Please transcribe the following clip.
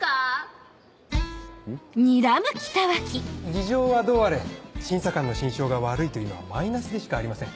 事情はどうあれ審査官の心象が悪いというのはマイナスでしかありません。